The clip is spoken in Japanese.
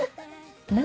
何？